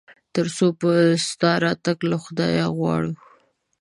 تر څو به ستا راتګ له خدايه غواړو ؟